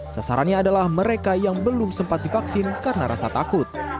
sasarannya adalah mereka yang belum sempat divaksin karena rasa takut